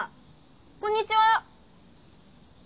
こんにちは。